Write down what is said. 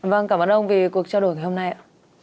vâng cảm ơn ông vì cuộc trao đổi ngày hôm nay ạ